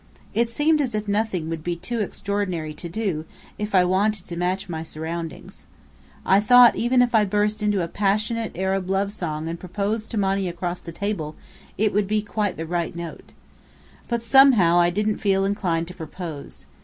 It seemed as if nothing would be too extraordinary to do, if I wanted to match my surroundings. I thought, even if I burst into a passionate Arab love song and proposed to Monny across the table, it would be quite the right note. But somehow I didn't feel inclined to propose.